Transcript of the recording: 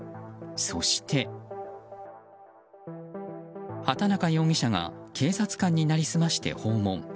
そして、畑中容疑者が警察官に成り済まして訪問。